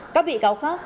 các bị cáo khác